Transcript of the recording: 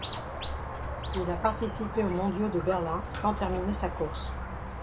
Il a participé aux mondiaux de Berlin sans terminer sa course.